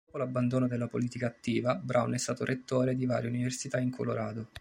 Dopo l'abbandono della politica attiva, Brown è stato rettore di varie università in Colorado.